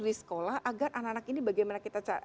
di sekolah agar anak anak ini bagaimana kita